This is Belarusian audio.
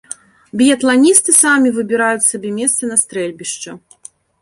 Біятланісты самі выбіраюць сабе месца на стрэльбішча.